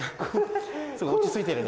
落ち着いてる。